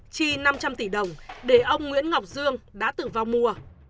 chi năm trăm linh tỷ đồng để ông nguyễn ngọc dương đã tử vong mùa